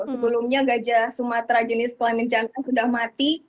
sebelumnya gajah sumatera jenis kelamin jantan sudah mati